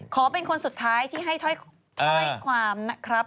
ขอเป็นคนสุดท้ายที่ให้ถ้อยความนะครับ